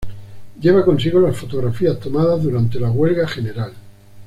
Lleva consigo las fotografías tomadas durante la huelga general.